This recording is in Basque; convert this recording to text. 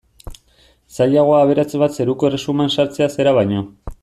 Zailagoa aberats bat zeruko erresuman sartzea zera baino.